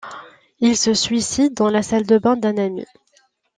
Il se suicide dans la salle de bains d'un ami.